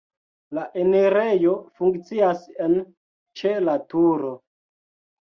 La enirejo funkcias en ĉe la turo.